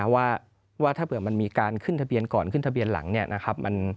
ว่าถ้าเผื่อมันมีการขึ้นทะเบียนก่อนขึ้นทะเบียนหลังเนี่ยนะครับ